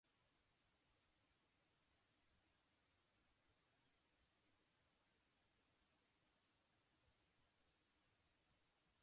Hi ha moltes rutes per caminar a Ku-Ring-gai, especialment a través de la zona.